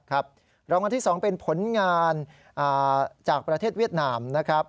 รางวัลที่๒เป็นผลงานจากประเทศเวียดนามนะครับ